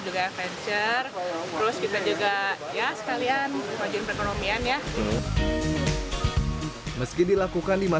juga adventure terus kita juga ya sekalian majuin perekonomian ya meski dilakukan lima